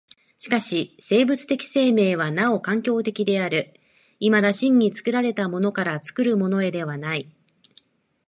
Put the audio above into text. しかし生物的生命はなお環境的である、いまだ真に作られたものから作るものへではない。